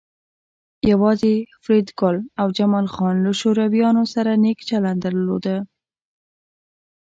یوازې فریدګل او جمال خان له شورویانو سره نیک چلند درلود